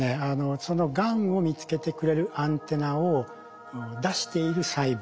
そのがんを見つけてくれるアンテナを出している細胞